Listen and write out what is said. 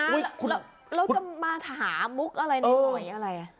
เอาจริงนะเราจะมาหามุกอะไรในหอยอะไร